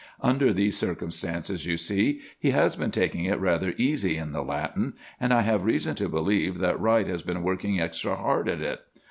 Under these circumstances, you see, he has been taking it rather easy in the Latin; and I have reason to believe that Wright has been working extra hard at it.